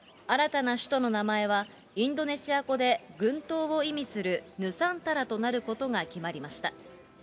新たな首都の名前は、インドネシア語で群島を意味する、ヌサンタラとなることが決まりました。